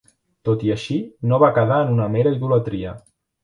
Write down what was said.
Tot i així, no va quedar en una mera idolatria.